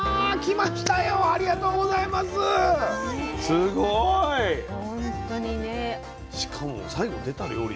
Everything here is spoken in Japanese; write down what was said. すごい！しかも最後出た料理？